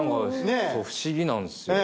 不思議なんすよね。